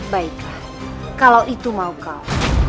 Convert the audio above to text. baiklah kalau itu mau kau